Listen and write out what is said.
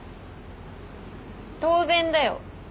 当然だよ。